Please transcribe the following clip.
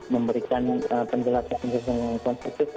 memberikan penjelasan yang konstruktif